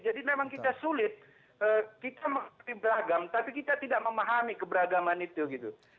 jadi memang kita sulit kita beragam tapi kita tidak memahami keberagaman itu gitu